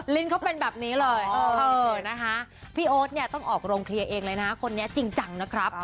ลิ้นเขาเป็นแบบนี้เลยนะคะพี่โอ๊ตเนี่ยต้องออกโรงเคลียร์เองเลยนะคนนี้จริงจังนะครับ